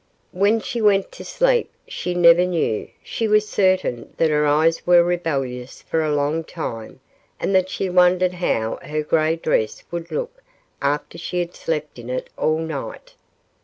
When she went to sleep, she never knew; she was certain that her eyes were rebellious for a long time and that she wondered how her gray dress would look after she had slept in it all night.